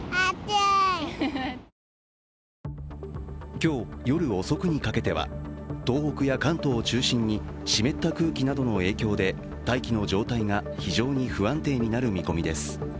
今日、夜遅くにかけては東北や関東を中心に湿った空気などの影響で、大気の状態が非常に不安定になる見込みです。